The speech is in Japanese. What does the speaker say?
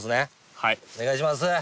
はいお願いします！